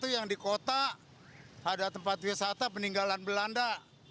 yang di kota ada tempat wisata peninggalan belanda